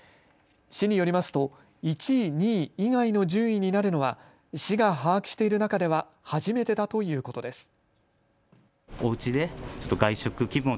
市によりますと１位、２位以外の順位になるのは市が把握している中では初めてだということです。